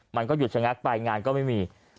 มันก็หยุดชะงักไปงานก็ไม่มี